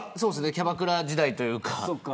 キャバクラ時代というか。